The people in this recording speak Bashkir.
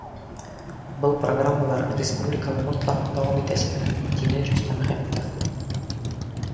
— Был программалар республикала мотлаҡ дауам итәсәк, — тине Рөстәм Хәмитов.